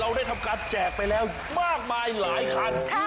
ได้ทำการแจกไปแล้วมากมายหลายคัน